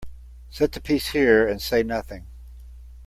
Set the piece here and say nothing.